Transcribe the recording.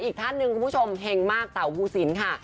อีกท่านหนึ่งคุณผู้ชมเห็นมากต่อว่าภูศิลป์ค่ะ